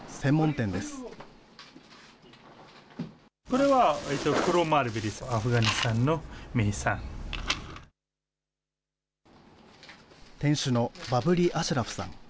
店主のバブリ・アシュラフさん。